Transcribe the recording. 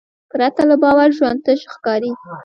پرته له باور ژوند تش ښکاري.